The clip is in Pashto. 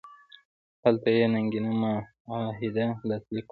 هلته یې ننګینه معاهده لاسلیک کړه.